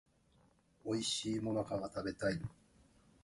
おいしい最中が食べたい